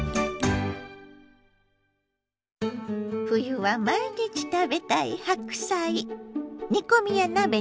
冬は毎日食べたい白菜。